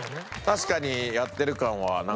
確かに。